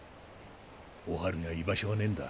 おはるには居場所がねえんだ